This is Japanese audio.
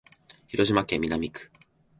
広島市南区